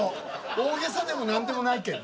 大げさでも何でもないけん。